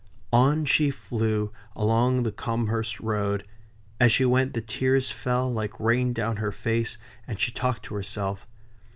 On she flew along the Combehurst road. As she went, the tears fell like rain down her face, and she talked to herself.